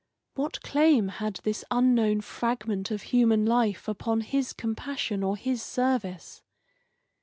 What claim had this unknown fragment of human life upon his compassion or his service?